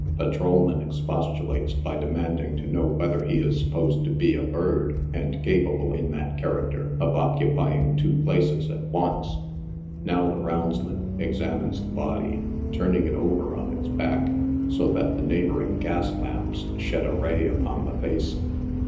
Patrolman ex postulates by demanding to know whether he is supposed to be a bird, and capable, in that character, of occupying two places at once. Now the roundsman examines the body, turning it over on its back, so that the neighboring gas lamps shed a ray upon the face.